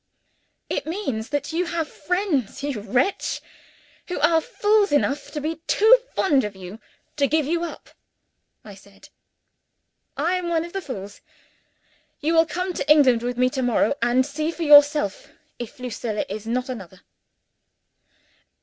"It means that you have friends, you wretch, who are fools enough to be too fond of you to give you up!" I said. "I am one of the fools. You will come to England with me to morrow and see for yourself if Lucilla is not another."